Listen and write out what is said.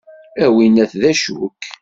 A winnat d acu-k?